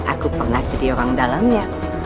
aku pernah jadi orang dalamnya